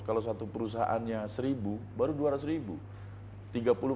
kalau satu perusahaannya seribu baru dua ratus ribu